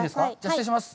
失礼します。